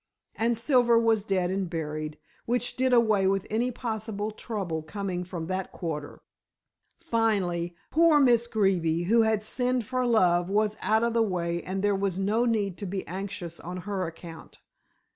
And Silver was dead and buried, which did away with any possible trouble coming from that quarter. Finally, poor Miss Greeby, who had sinned for love, was out of the way and there was no need to be anxious on her account.